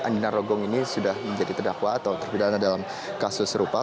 andi narogong ini sudah menjadi terdakwa atau terpidana dalam kasus serupa